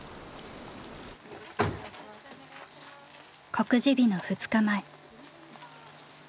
告示日の２日前。